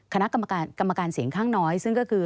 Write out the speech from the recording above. คณะกรรมการเสียงคางน้อยซึ่งก็คือ